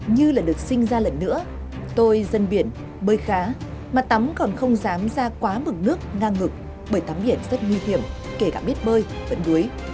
như là được sinh ra lần nữa tôi dân biển bơi khá mà tắm còn không dám ra quá mừng nước ngang ngực bởi tắm biển rất nguy hiểm kể cả biết bơi vẫn đuối